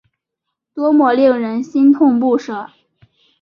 多么令人心痛不舍